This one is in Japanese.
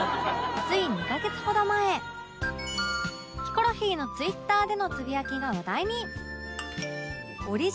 つい２カ月ほど前ヒコロヒーの Ｔｗｉｔｔｅｒ でのつぶやきが話題に！